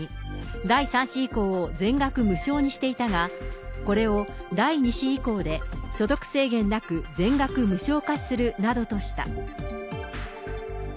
第３子以降を全額無償にしていたが、これを第２子以降で、所得制限なく全額無償化するなどとした。